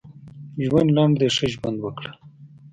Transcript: ژوند لنډ دی ښه ژوند وکړه.